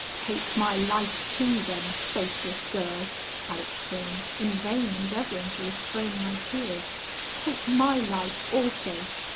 'Take my life too, then, faithless girl!' I exclaimed, in vain endeavouring to restrain my tears; 'take my life also!